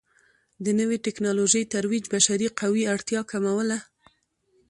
د نوې ټکنالوژۍ ترویج بشري قوې اړتیا کموله.